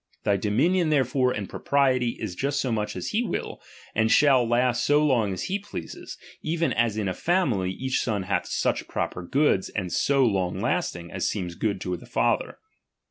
Thy dominion therefore, and propriety, is just so much as he will, and shall last so long as he pleases ; even as in a family, each son hath such proper goods, and so long lasting, as seems good to the father.